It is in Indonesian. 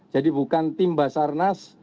jadi bukan tim basarnas